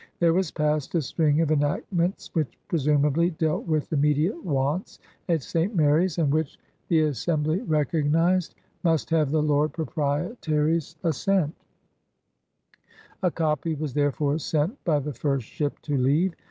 There was passed a string of en actments which presumably dealt with immediate wants at St. Mary's, and which, the Assembly recognized, must have the Lord Proprietary's as 142 PIONEERS OF THE OLD SOUTH sent. A copy was therefore sent by the first ship to leave.